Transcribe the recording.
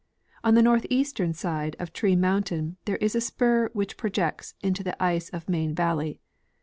On the northeastern side of Tree mountain there is a spur which projects into the ice of Main valley.